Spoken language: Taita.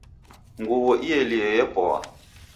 Nguwo ielie yepoa